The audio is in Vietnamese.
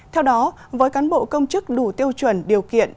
theo đó với cán bộ công chức đủ tiêu chuẩn điều kiện